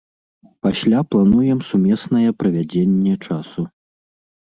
Пасля плануем сумеснае правядзенне часу.